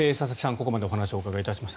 ここまでお話を伺いました。